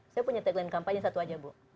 saya punya tagline kampanye yang satu aja bu